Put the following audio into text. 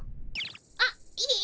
あっいえ